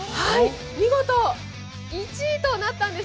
見事１位となったんです。